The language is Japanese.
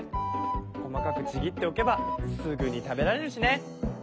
細かくちぎっておけばすぐに食べられるしね。